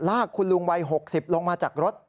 ลากคุณลุงวัย๖๐ลงมาจากรถ